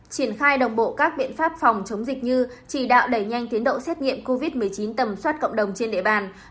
triển khai đồng bộ các biện pháp phòng chống dịch như chỉ đạo đẩy nhanh tiến độ xét nghiệm covid một mươi chín tầm soát cộng đồng trên địa bàn